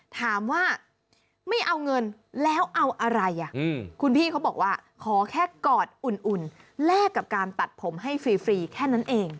ถามว่าไม่เอาเงินแล้วเอาอะไรคุณพี่เขาบอกว่าขอแค่กอดอุ่นแลกกับการตัดผมให้ฟรีแค่นั้นเอง